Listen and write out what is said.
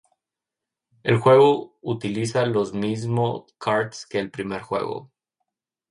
El juego utiliza los mismo karts que el primer juego.